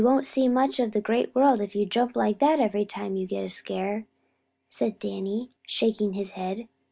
_] "You won't see much of the Great World if you jump like that every time you get a scare," said Danny, shaking his head.